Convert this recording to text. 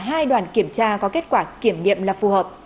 hai đoàn kiểm tra có kết quả kiểm nghiệm là phù hợp